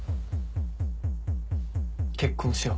結婚しよう。